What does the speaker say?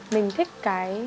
mình thích cái